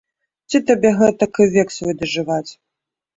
Ці табе гэтак і век свой дажываць!